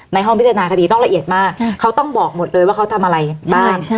ห้องพิจารณาคดีต้องละเอียดมากเขาต้องบอกหมดเลยว่าเขาทำอะไรบ้าง